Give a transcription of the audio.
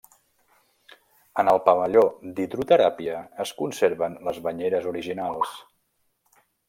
En el pavelló d'hidroteràpia es conserven les banyeres originals.